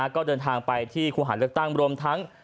ก็เดินทางไปที่คู่หาเลือกตั้งรวมทั้ง